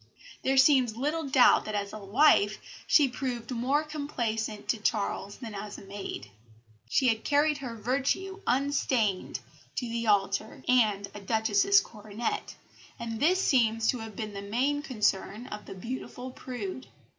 There seems little doubt that as a wife she proved more complaisant to Charles than as a maid. She had carried her virtue unstained to the altar and a Duchess's coronet, and this seems to have been the main concern of the beautiful prude.